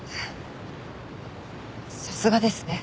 さすがですね